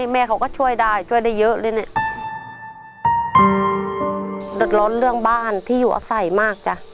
แม่เขาก็ช่วยได้ช่วยได้เยอะเลยเนี้ยอืมเดือดร้อนเรื่องบ้านที่อยู่อาศัยมากจ้ะ